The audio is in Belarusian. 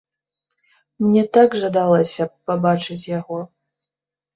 Мне так жадалася б пабачыць яго.